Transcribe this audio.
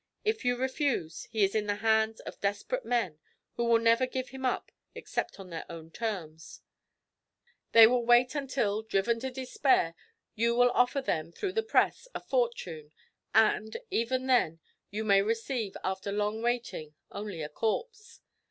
If you refuse he is in the hands of desperate men, who will never give him up except on their own terms; they will wait until, driven to despair, you will offer them, through the press, a fortune, and even then you may receive, after long waiting, only a corpse.